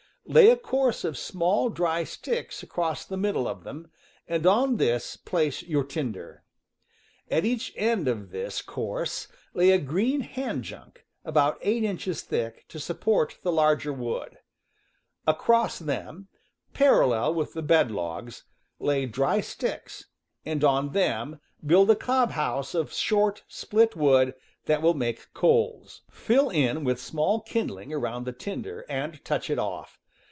Lay a course of small, dry sticks across the middle of them, and on this place your tinder. At each end of this course lay a green hand junk, about eight inches thick, to support the larger wood. Across them, parallel with the bed logs, lay dry sticks, and on them build a cob house of short split wood that will make coals. Fill in with small kindling around the tinder, and touch it off.